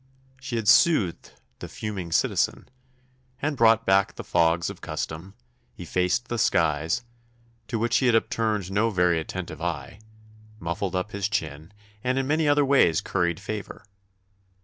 She had soothed the fuming citizen, and brought back the fogs of custom, effaced the skies, to which he had upturned no very attentive eye, muffled up his chin, and in many other ways curried favour.